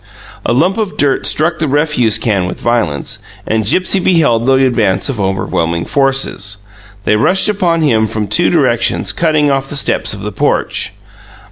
A lump of dirt struck the refuse can with violence, and Gipsy beheld the advance of overwhelming forces. They rushed upon him from two directions, cutting off the steps of the porch.